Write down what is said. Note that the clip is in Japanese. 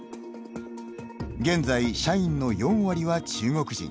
現在、社員の４割は中国人。